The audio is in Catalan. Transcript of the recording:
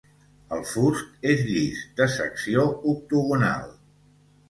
El fust és llis, de secció octogonal.